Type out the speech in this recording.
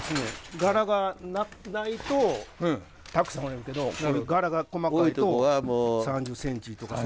柄がないとたくさん織れるけど柄が細かいと３０センチとかそんなんですね。